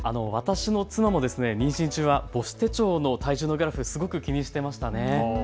私の妻も妊娠中は母子手帳の体重のグラフ、とても気にしていました。